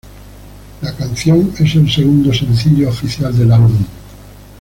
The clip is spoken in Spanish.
La canción es el segundo sencillo oficial del álbum.